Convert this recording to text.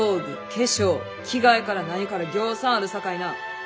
化粧着替えから何からぎょうさんあるさかいな。